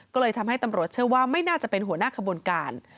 ก็เลยทำให้ตำรวจเชื่อว่าไม่น่าจะเป็นหัวหน้าขบวนการ